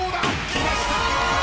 きました！